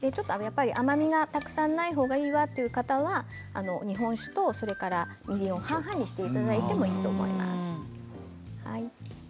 甘みがたくさんないほうがいいわという方は、日本酒と半々にしていただいてもいいと思います。